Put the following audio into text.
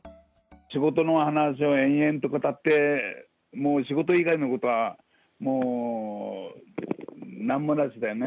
仕事の話を延々と語って、もう仕事以外のことは、もうなんもなしでね。